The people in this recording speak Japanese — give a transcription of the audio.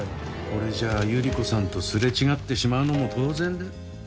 これじゃあ百合子さんと擦れ違ってしまうのも当然で